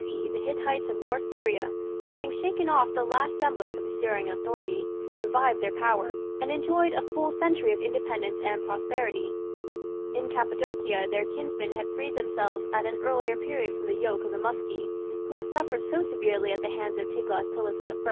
C. the Hittites of North Syria, having shaken off the last semblance of Assyrian authority, revived their power, and enjoyed a full century of independence and prosperity. In Cappadocia their kinsmen had freed themselves at an earlier period from the yoke of the Muski, who had suffered so severely at the hands of Tiglath pileser I.